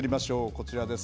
こちらです。